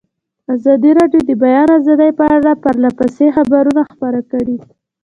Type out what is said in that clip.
ازادي راډیو د د بیان آزادي په اړه پرله پسې خبرونه خپاره کړي.